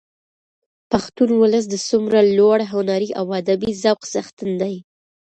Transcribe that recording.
پښتون ولس د څومره لوړ هنري او ادبي ذوق څښتن دي.